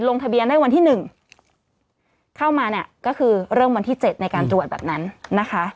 ลงทะเบียนได้วันที่๑เข้ามาเนี่ยก็คือเริ่มวันที่๗ในการตรวจแบบนั้นนะคะ